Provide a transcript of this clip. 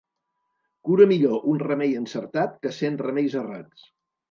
Cura millor un remei encertat que cent remeis errats.